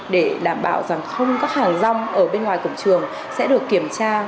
để đảm bảo rằng không các hàng rong ở bên ngoài cổng trường sẽ được kiểm tra